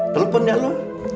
telepon ya lu